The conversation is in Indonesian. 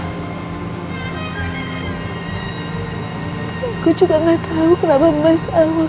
aku juga gak tau kenapa mbak sawah